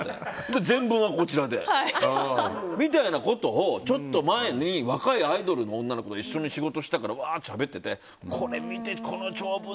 全文はこちらで、みたいなことをちょっと前に若いアイドルの子と一緒に仕事したからしゃべっててこれ見て、この長文。